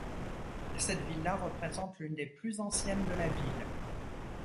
Cette villa représente l'une des plus anciennes de la ville.